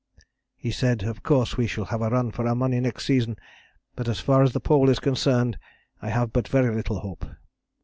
He said: 'Of course we shall have a run for our money next season, but as far as the Pole is concerned I have but very little hope.'